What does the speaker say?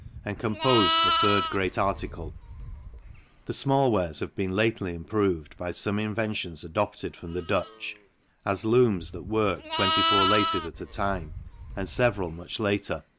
and compofe the third great ar ticle : the fmall wares have been lately improved by fome inventions adopted from the Dutch, as looms that work 24 laces at a time, and feveral much later